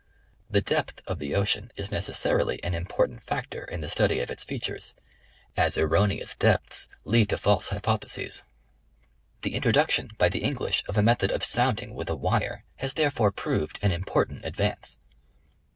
The depth of the ocean is necessarily an im portant factor in the study of its features, as erroneous depths lead to false hypotheses. The introduction by the English of a method of sounding with a wire, has therefore proved an im portant advance.